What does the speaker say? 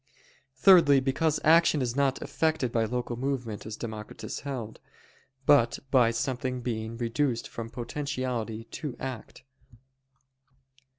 Thirdly, because action is not effected by local movement, as Democritus held: but by something being reduced from potentiality to act.